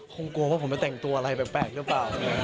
คงกลัวว่าผมจะแต่งตัวอะไรแปลกหรือเปล่า